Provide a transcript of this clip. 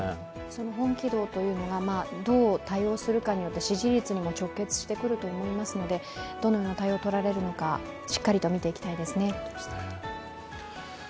その本気度というのがどう対応するかによって支持率にも直結してくると思いますのでどのような対応をとられるのか、しっかりと見ていきたいですね。